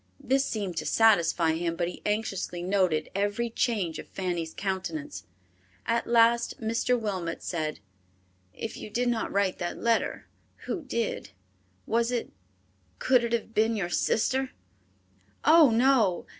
This seemed to satisfy him, but he anxiously noted every change of Fanny's countenance. At last Mr. Wilmot said, "If you did not write that letter, who did? Was it, could it have been your sister?" "Oh, no!